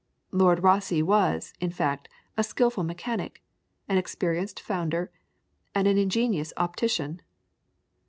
Lord Rosse was, in fact, a skilful mechanic, an experienced founder, and an ingenious optician.